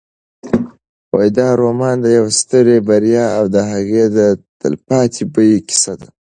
دا رومان د یوې سترې بریا او د هغې د تلپاتې بیې کیسه ده.